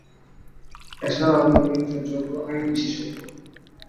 এছাড়াও তিনি একজন যোগ্য আইন বিশেষজ্ঞ।